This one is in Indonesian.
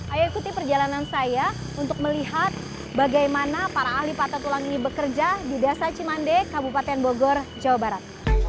ayo ikuti perjalanan saya untuk melihat bagaimana para ahli patah tulang ini bekerja di desa cimande kabupaten bogor jawa barat